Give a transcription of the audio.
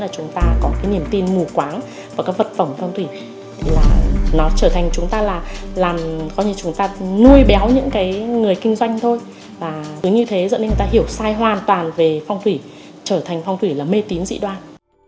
chúng ta có cái niềm tin mù quáng và các vật phẩm phong thủy thì nó trở thành chúng ta là làm có như chúng ta nuôi béo những người kinh doanh thôi như thế dẫn đến người ta hiểu sai hoàn toàn về phong thủy trở thành phong thủy là mê tín dị đoan